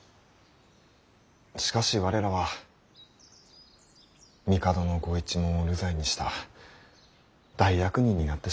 しかし我らは帝のご一門を流罪にした大悪人になってしまいました。